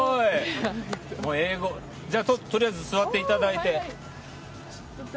じゃあ、とりあえず座っていただいて。